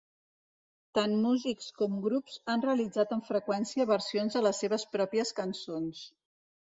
Tant músics com grups han realitzat amb freqüència versions de les seves pròpies cançons.